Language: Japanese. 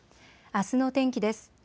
あすの天気です。